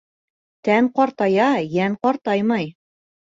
Тән ҡартая, йән ҡартаймай.